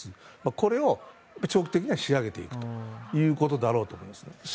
これを長期的には仕上げていくということだろうと思います。